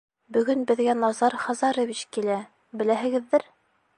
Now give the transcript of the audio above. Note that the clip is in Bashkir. Бөгөн беҙгә Назар Хазарович килә, беләһегеҙҙер?